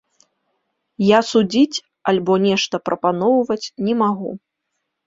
Я судзіць альбо нешта прапаноўваць не магу.